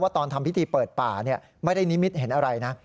ตอนทำพิธีเปิดป่าไม่ได้นิมิตเห็นอะไรนะ